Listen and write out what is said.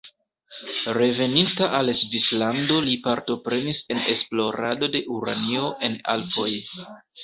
Reveninta al Svislando li partoprenis en esplorado de uranio en Alpoj.